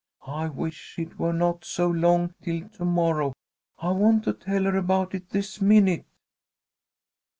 I wish it were not so long till to morrow! I want to tell her about it this minute."